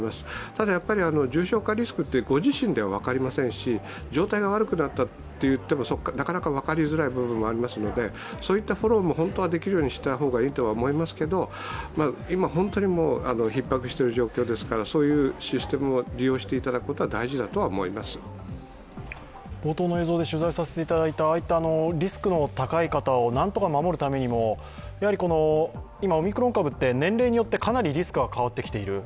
ただ、重症化リスクってご自身では分かりませんし、状態が悪くなったといってもなかなか分かりづらい部分もありますのでそういったフォローも本当はできるようにした方がいいと思いますけれども、今、本当にひっ迫している状況ですから、そういうシステムを利用していただくことは冒頭の映像で取材させていただいたリスクの高い方を何とか守るためにも、今、オミクロン株は年齢によってかなりリスクは変わってきている。